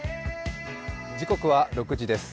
時刻は６時です。